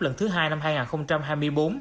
lần thứ hai năm hai nghìn hai mươi bốn